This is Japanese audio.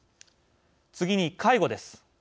次に介護です。